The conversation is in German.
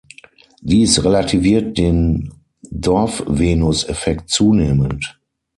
Dies relativiert den Dorfvenus-Effekt zunehmend.